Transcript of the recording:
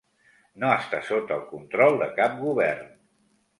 No està sota el control de cap govern.